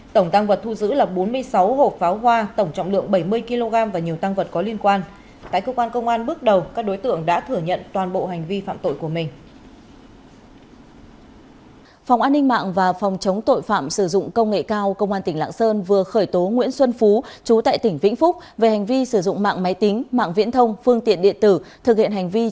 tổng tăng vật thu giữ là bốn mươi sáu hộp pháo hoa tổng trọng lượng bảy mươi kg và nhiều tăng vật có liên quan